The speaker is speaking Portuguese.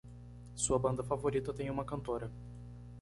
Sua banda favorita tem uma cantora.